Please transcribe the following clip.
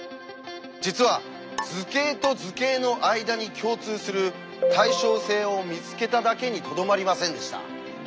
実は図形と図形の間に共通する対称性を見つけただけにとどまりませんでした。